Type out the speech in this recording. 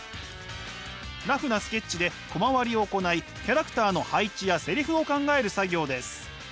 ラフなスケッチでコマ割りを行いキャラクターの配置やセリフを考える作業です。